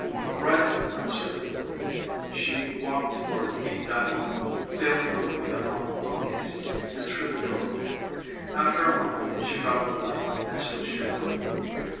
Rising uncertainly, she walked toward the dining room, feeling her way along the bookcases and through the doorway. After a moment she found the light and switched it on.